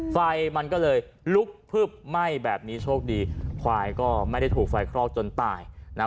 ไฟมันก็เลยลุกพึบไหม้แบบนี้โชคดีควายก็ไม่ได้ถูกไฟคลอกจนตายนะฮะ